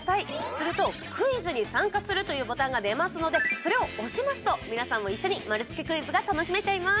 すると、「クイズに参加する」というボタンが出ますのでそれを押しますと皆さんも一緒に丸つけクイズが楽しめちゃいます。